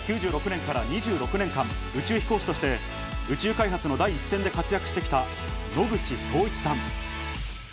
１９９６年から２６年間、宇宙飛行士として宇宙開発の第一線で活躍してきた野口聡一さん。